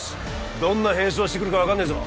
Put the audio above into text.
どんな変装してくるか分かんねえぞ